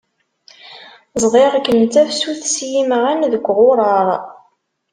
Ẓḍiɣ-kem d tafsut s yimɣan deg uɣuṛaṛ.